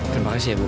terima kasih ibu